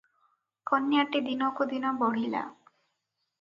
କନ୍ୟାଟି ଦିନକୁ ଦିନ ବଢ଼ିଲା ।